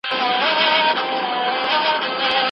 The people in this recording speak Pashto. نه خمار وي نه مستي وي نه منت وي له مُغانه